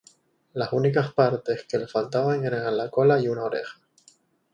Las únicas partes que le faltaban eran la cola y una oreja.